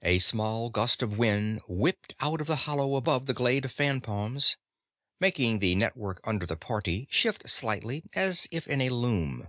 A small gust of wind whipped out of the hollow above the glade of fan palms, making the network under the party shift slightly, as if in a loom.